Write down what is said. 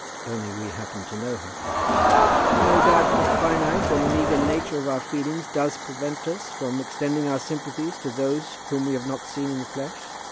"Only we happened to know her." "No doubt the finite and meagre nature of our feelings does prevent us from extending our sympathies to those whom we have not seen in the flesh.